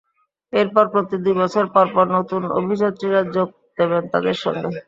এরপর প্রতি দুই বছর পরপর নতুন অভিযাত্রীরা যোগ দেবেন তাঁদের সঙ্গে।